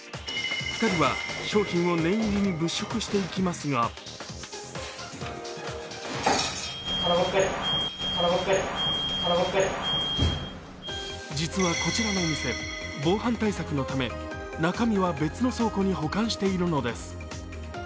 ２人は商品を念入りに物色していきますが実は、こちらのお店、防犯対策のため中身は別の倉庫に保管しているのです。